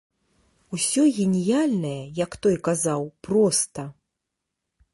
Усё геніяльнае, як той казаў, проста.